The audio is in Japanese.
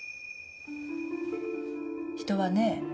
人はね